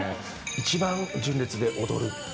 一番純烈で踊る。